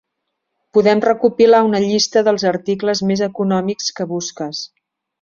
Podem recopilar una llista dels articles més econòmics que busques.